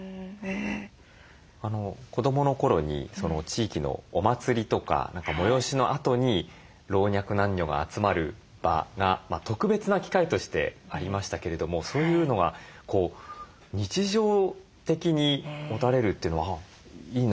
子どもの頃に地域のお祭りとか催しのあとに老若男女が集まる場が特別な機会としてありましたけれどもそういうのが日常的に持たれるというのはいいなという。